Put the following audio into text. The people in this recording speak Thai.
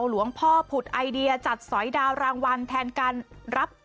หลวงพ่อผุดไอเดียจัดสอยดาวรางวัลแทนการรับ